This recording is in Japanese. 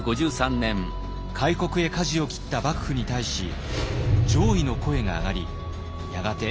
開国へかじを切った幕府に対し攘夷の声が上がりやがて